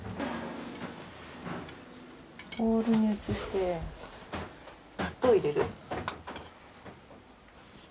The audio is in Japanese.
ボウルに移して納豆を入れる。